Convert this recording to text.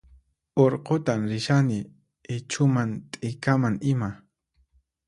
Urqutan rishani ichhuman t'ikaman ima